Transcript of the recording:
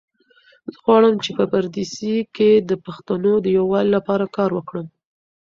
زه غواړم چې په پردیسۍ کې د پښتنو د یووالي لپاره کار وکړم.